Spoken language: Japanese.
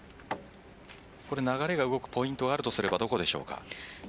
流れが動くポイントがあるとすればどこでしょうか。